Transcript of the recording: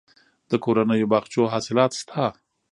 د کورنیو باغچو حاصلات شته